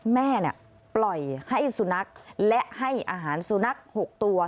แม่ปล่อยให้สุนัขและให้อาหารสุนัข๖ตัว